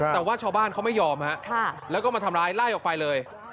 แต่ว่าชาวบ้านเขาไม่ยอมฮะแล้วก็มาทำร้ายไล่ออกไปเลย